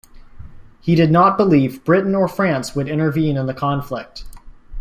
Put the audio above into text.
He did not believe Britain or France would intervene in the conflict.